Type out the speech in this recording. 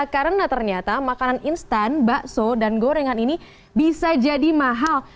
karena ternyata makanan instan bakso dan gorengan ini bisa jadi mahal